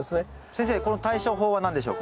先生この対処法は何でしょうか？